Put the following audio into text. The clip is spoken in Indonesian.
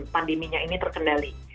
pandeminya ini terkendali